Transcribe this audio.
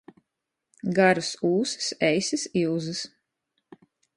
Garys ūsys, eisys iuzys.